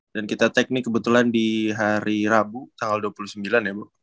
dan kita tag nih kebetulan di hari rabu tanggal dua puluh sembilan ya bu